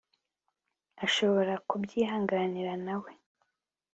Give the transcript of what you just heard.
ashoborakubyihanganira nawe